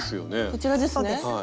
こちらですね。